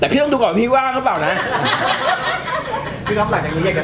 แต่พี่ต้องดูก่อว่าพี่บ้างหรือเปล่าน้า